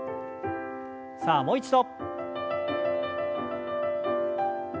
さあもう一度。